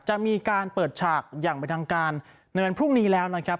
จะมีการเปิดฉากอย่างเป็นทางการในวันพรุ่งนี้แล้วนะครับ